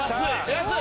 安い！